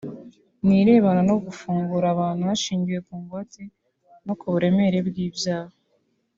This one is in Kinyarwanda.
ni irebana no gufungura abantu hashingiwe ku ngwate no ku buremere bw’ibyaha